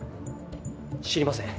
知りません。